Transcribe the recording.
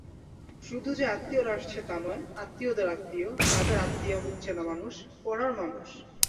শুধু যে আত্মীয়রা আসছে তা নয়-আত্মীয়দের আত্মীয়, তাদের আত্মীয়া মুখচেনা মানুষ, পড়ার মানুষ!